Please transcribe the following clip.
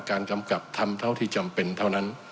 กำกับทำเท่าที่จำเป็นเท่านั้น